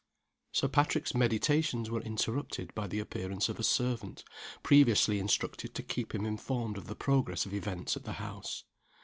Sir Patrick's meditations were interrupted by the appearance of a servant, previously instructed to keep him informed of the progress of events at the house.